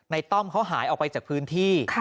ต้อมเขาหายออกไปจากพื้นที่